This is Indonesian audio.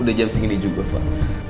udah jam segini juga pak